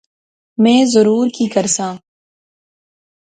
میں ضرور کی کرساں